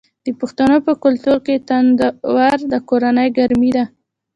د پښتنو په کلتور کې تندور د کور ګرمي ده.